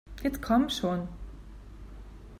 Jetzt komm schon!